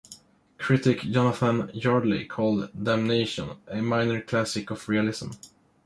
Critic Jonathan Yardley called "Damnation" "a minor classic of realism".